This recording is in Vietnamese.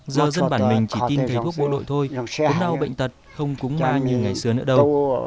giờ dân bản mình chỉ tin thầy thuốc bộ đội thôi ốm đau bệnh tật không cúng ma như ngày xưa nữa đâu